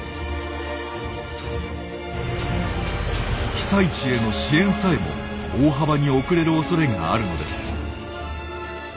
被災地への支援さえも大幅に遅れるおそれがあるのです。